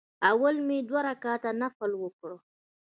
اول مې دوه رکعته نفل وکړ.